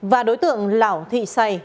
và đối tượng lão thị xay